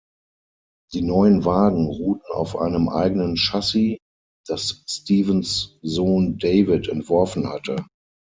Die neuen Wagen ruhten auf einem eigenen Chassis, das Stevens’ Sohn David entworfen hatte.